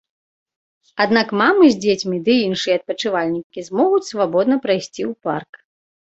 Аднак мамы з дзецьмі ды іншыя адпачывальнікі змогуць свабодна прайсці ў парк.